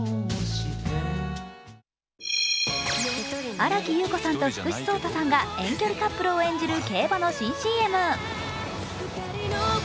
新木優子さんと福士蒼汰さんが遠距離カップルを演じる競馬の新ＣＭ。